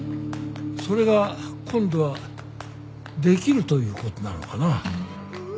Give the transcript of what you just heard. それが今度はできるということなのかな。